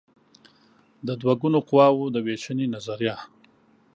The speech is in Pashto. د دوه ګونو قواوو د وېشنې نظریه